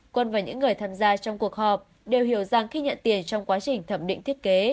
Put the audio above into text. quân và những người tham gia trong cuộc họp đều hiểu rằng khi nhận tiền trong quá trình thẩm định thiết kế